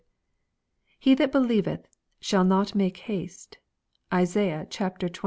'^ He that believeth shall not make haste/' (Isaiah xxviii. 16.)